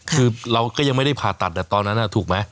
คือเราก็ยังไม่ได้ผ่าตัดตอนนั้นถูกไหม